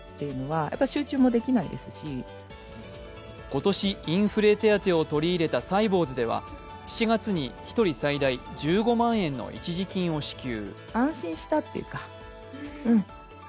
今年、インフレ手当を取り入れたサイボウズでは７月に１人最大１５万円の一時金を支給。